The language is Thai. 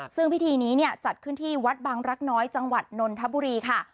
ซึ่งพิธีนี้เนี่ยจัดขึ้นที่วัดบางรักน้อยจังหวัดนนทบุรีค่ะ